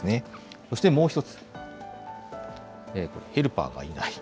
そしてもう一つ、ヘルパーがいない。